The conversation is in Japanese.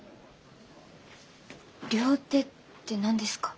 「両手」って何ですか？